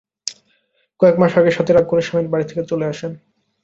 কয়েক মাস আগে সাথী রাগ করে স্বামীর বাড়ি থেকে চলে আসেন।